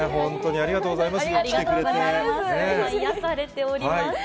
ありがとうございます。